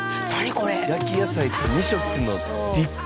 これ焼き野菜と二色のディップ？